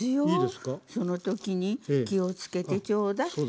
その時に気を付けてちょうだい。